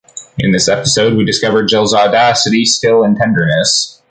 In this episode, we discover Jill’s audacity, skill and tenderness.